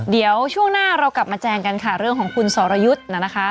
เดี๋ยวช่วงหน้าเรากลับมาแจงกันค่ะเรื่องของคุณสรยุทธ์นะคะ